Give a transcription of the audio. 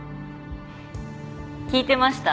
聞いてました？